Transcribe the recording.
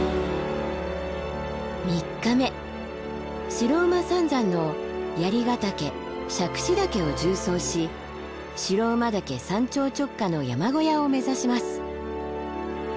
白馬三山のヶ岳杓子岳を縦走し白馬岳山頂直下の山小屋を目指します。